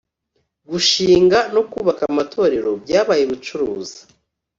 Gushinga no kubaka amatorero byabaye ubucuruzi